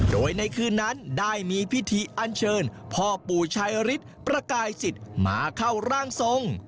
โดยในคืนนั้นได้มีพิธีอันเชิญพ่อปู่ชายฤทธิ์ประกายสิทธิ์มาเข้าร่างทรง